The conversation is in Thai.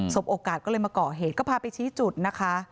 โอกาสก็เลยมาก่อเหตุก็พาไปชี้จุดนะคะ